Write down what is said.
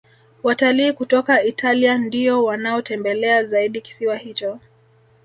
Watalii kutoka italia ndiyo wanaotembelea zaidi kisiwa hicho